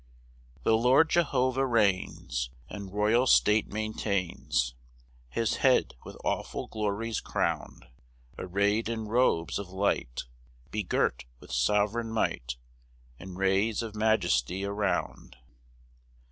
1 The Lord Jehovah reigns And royal state maintains, His head with awful glories crown'd; Array'd in robes of light, Begirt with sovereign might, And rays of majesty around.